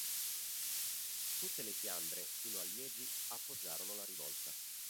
Tutte le Fiandre, sino a Liegi, appoggiarono la rivolta.